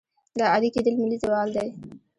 دا عادي کېدل ملي زوال دی.